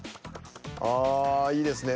ああいいですね。